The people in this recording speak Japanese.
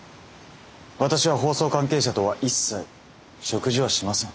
私は法曹関係者とは一切食事はしません。